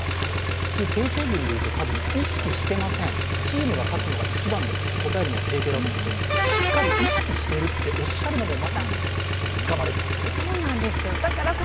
普通定型文でいくと、意識していません、チームで勝つのが一番ですとおっしゃるのが定形だと思うんですけど、しっかり意識してるっておっしゃるのも、またつかまれるもので。